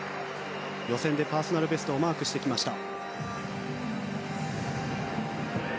予選でパーソナルベストをマークしてきました。